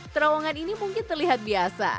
terowongan ini mungkin terlihat biasa